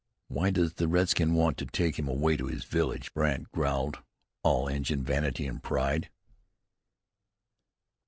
"Why does the redskin want to take him away to his village?" Brandt growled. "All Injun vanity and pride."